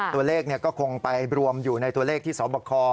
ตัวเลขก็คงไปรวมอยู่ในตัวเลขที่สบค